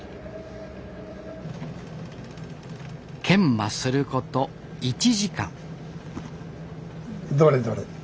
研磨すること１時間どれどれ。